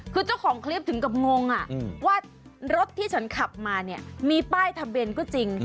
คือเจ้าของคลิปถึงกับงงว่ารถที่ฉันขับมาเนี่ยมีป้ายทะเบียนก็จริง